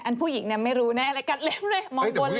อันผู้หญิงเนี่ยไม่รู้แน่เลยกัดเล็บเลย